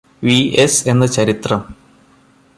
V S എന്ന ചരിത്രം